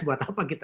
buat apa kita